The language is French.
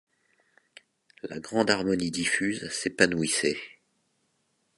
La grande harmonie diffuse s’épanouissait.